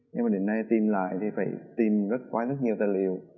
nhưng mà đến nay tìm lại thì phải tìm rất qua rất nhiều tài liệu